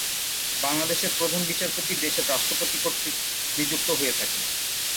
বাংলাদেশের প্রধান বিচারপতি দেশের রাষ্ট্রপতি কর্তৃক নিযুক্ত হয়ে থাকেন।